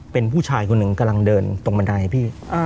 เป็นผู้ชายคนหนึ่งกำลังเดินตรงบันไดพี่